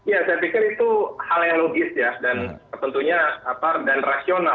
ya saya pikir itu hal yang logis ya dan tentunya dan rasional